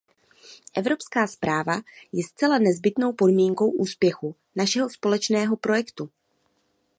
Evropská správa je zcela nezbytnou podmínkou úspěchu našeho společného projektu.